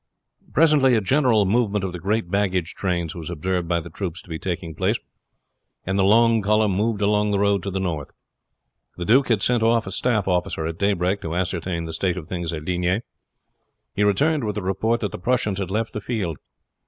Presently a general movement of the great baggage trains was observed by the troops to be taking place, and the long column moved along the road to the north. The duke had sent off a staff officer at daybreak to ascertain the state of things at Ligny; he returned with the report that the Prussians had left the field.